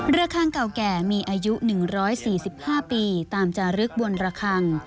ระคังเก่าแก่มีอายุ๑๔๕ปีตามจารึกบนระคัง